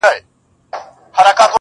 دا عجيبه شانې هنر دی زما زړه پر لمبو,